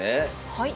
はい。